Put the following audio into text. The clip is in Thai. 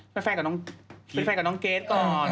เป็นแฟนกับน้องเกษก่อน